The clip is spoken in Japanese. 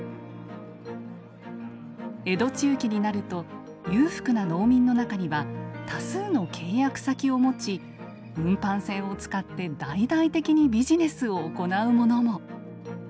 江戸中期になると裕福な農民の中には多数の契約先を持ち運搬船を使って大々的にビジネスを行う者も。